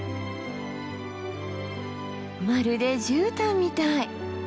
まるでじゅうたんみたい。